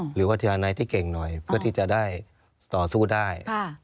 วิทยานายที่เก่งหน่อยเพื่อที่จะได้ต่อสู้ได้